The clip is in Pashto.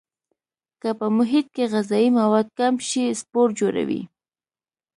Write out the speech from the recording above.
که په محیط کې غذایي مواد کم شي سپور جوړوي.